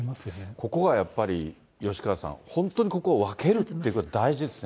ここはやっぱり、吉川さん、本当にここ、分けるということは大事ですね。